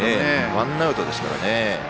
ワンアウトですからね。